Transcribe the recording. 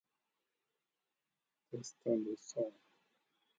The most challenging part of learning English for me is definitely speaking fluently.